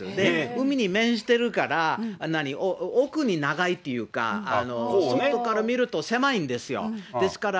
海に面してるから、奥に長いというか、外から見ると狭いんですよ、ですから、